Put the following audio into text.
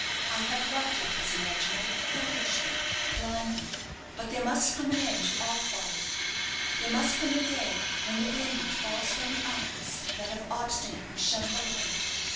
I have loved your cousin Reginald, foolishly, blindly; but there must come an end to all folly; there must come a day when the bandage falls from the eyes that have obstinately shunned the light.